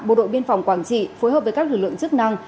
bộ đội biên phòng quảng trị phối hợp với các lực lượng chức năng